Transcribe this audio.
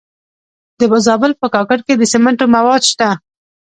د زابل په کاکړ کې د سمنټو مواد شته.